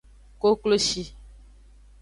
Kokloshi.